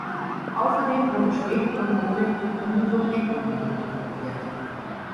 Außerdem wurden Schwefel und Kohle in die Sowjetunion transportiert.